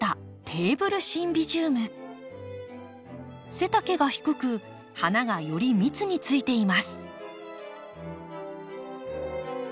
背丈が低く花がより密についています。